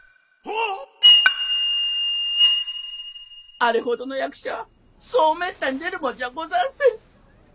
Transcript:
あれほどの役者はそうめったに出るもんじゃござんせん。